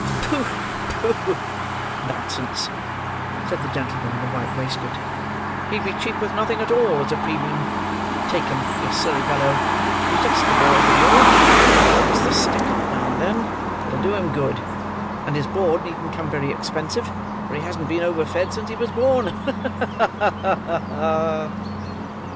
"Pooh! pooh! nonsense!" said the gentleman in the white waistcoat. "He'd be cheap with nothing at all, as a premium. Take him, you silly fellow! He's just the boy for you. He wants the stick, now and then: it'll do him good; and his board needn't come very expensive, for he hasn't been overfed since he was born. Ha! ha!